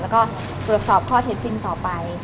แล้วก็ตรวจสอบข้อเท็จจริงต่อไป